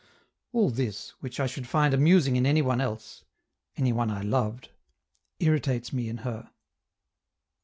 All this, which I should find amusing in any one else, any one I loved irritates me in her.